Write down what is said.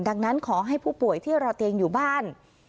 ดังนั้นขอให้ผู้ป่วยที่รอเตียงอยู่บ้าน